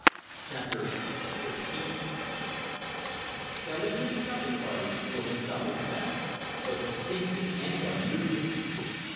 CHAPTER XV Selingman's supper party was in some respects both distinctive and unusual.